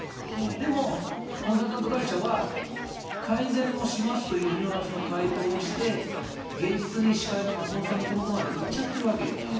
でもコンサルタント会社は、改善をしますというニュアンスの回答をして、現実に司会の松本さんの手元まで行っちゃってるわけです。